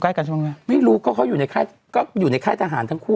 กันใช่ไหมไม่รู้ก็เขาอยู่ในค่ายก็อยู่ในค่ายทหารทั้งคู่